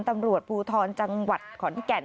ตำรวจภูทรจังหวัดขอนแก่น